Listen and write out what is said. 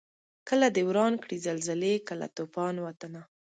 کله دي وران کړي زلزلې کله توپان وطنه